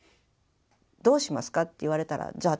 どうしますかって言われたらじゃあ